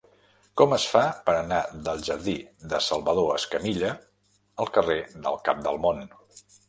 Com es fa per anar del jardí de Salvador Escamilla al carrer del Cap del Món?